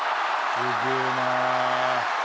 「すげえな」